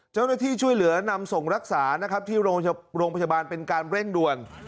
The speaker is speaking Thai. เจ้าหน้าที่ช่วยเหลือนำส่งรักษานะครับที่โรงพยาบาลเป็นการเร่งด่วน